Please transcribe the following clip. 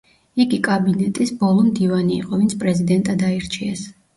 იგი კაბინეტის ბოლო მდივანი იყო, ვინც პრეზიდენტად აირჩიეს.